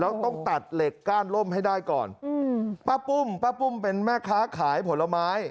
แล้วต้องตัดเหล็กก้านร่มให้ได้ก่อนอืมป้าปุ้มป้าปุ้มเป็นแม่ค้าขายผลไม้